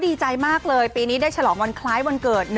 ดีใจมากเลยปีนี้ได้ฉลองวันคล้ายวันเกิด